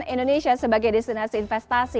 indonesia sebagai destinasi investasi